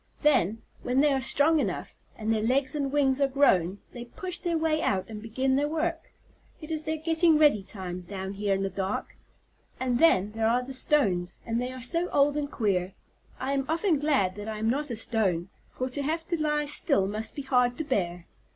Then, when they are strong enough, and their legs and wings are grown, they push their way out and begin their work. It is their getting ready time, down here in the dark. And then, there are the stones, and they are so old and queer. I am often glad that I am not a stone, for to have to lie still must be hard to bear.